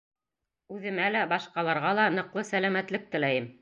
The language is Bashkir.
Үҙемә лә, башҡаларға ла ныҡлы сәләмәтлек теләйем.